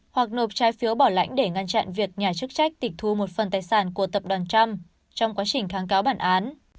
hoặc nộp trái phiếu bảo lãnh để ngăn chặn việc nhà chức trách tịch thu một phần tài sản của tập đoàn trump trong quá trình kháng cáo bản án